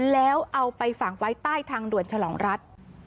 แล้วเอาไปฝังไว้ใต้ทางด่วนฉลองรัฐ